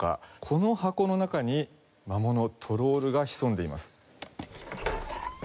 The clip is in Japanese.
この箱の中に魔物トロールが潜んでいます。